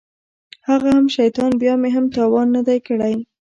هغه هم شيطان بيا مې هم تاوان نه دى کړى.